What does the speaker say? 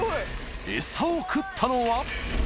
エサを食ったのは・